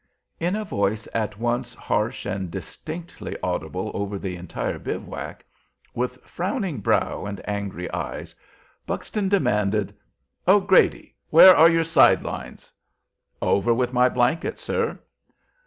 In a voice at once harsh and distinctly audible over the entire bivouac, with frowning brow and angry eyes, Buxton demanded, "O'Grady, where are your side lines?" "Over with my blankets, sir."